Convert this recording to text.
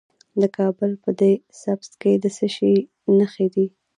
د کابل په ده سبز کې د څه شي نښې دي؟